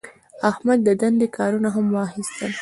احمد د دندې کارونه هم واخیستل.